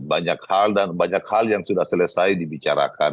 banyak hal dan banyak hal yang sudah selesai dibicarakan